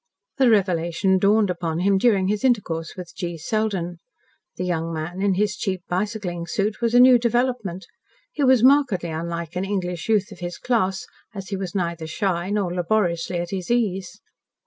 The revelation dawned upon him during his intercourse with G. Selden. The young man in his cheap bicycling suit was a new development. He was markedly unlike an English youth of his class, as he was neither shy, nor laboriously at his ease.